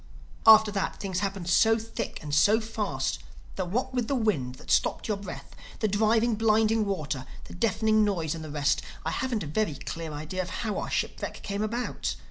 After that things happened so thick and so fast that what with the wind that stopped your breath, the driving, blinding water, the deafening noise and the rest, I haven't a very clear idea of how our shipwreck came about.